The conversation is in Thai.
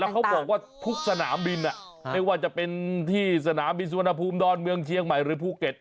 เขาบอกว่าทุกสนามบินไม่ว่าจะเป็นที่สนามบินสุวรรณภูมิดอนเมืองเชียงใหม่หรือภูเก็ต